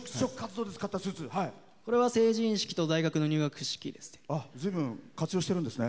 これは成人式と大学の入学式ですね。